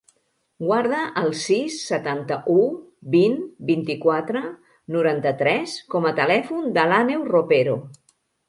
Guarda el sis, setanta-u, vint, vint-i-quatre, noranta-tres com a telèfon de l'Àneu Ropero.